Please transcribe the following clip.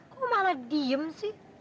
kok malah diem sih